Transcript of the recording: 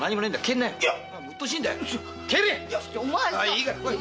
いいから来い。